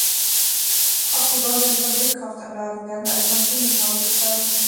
Auch die Gondeln von Windkraftanlagen werden als Maschinenhaus bezeichnet.